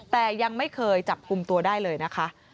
แต่ยังไม่เคยจับกลุ่มตัวได้เลยนะคะ